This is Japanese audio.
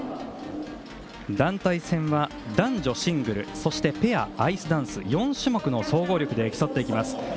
団体戦は男女シングルそしてペア、アイスダンス４種目の総合力で競っていきます。